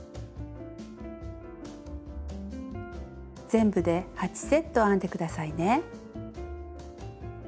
全部で８セット編んで下さいね。